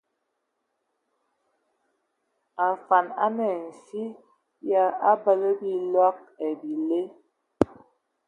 Afan a nə fyƐ ya ebələ bile ai bilɔg.